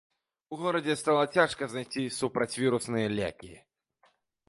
У горадзе стала цяжка знайсці супрацьвірусныя лекі.